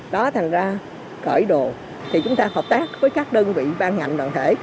đó thành ra cởi đồ thì chúng ta hợp tác với các đơn vị ban ngành đoàn thể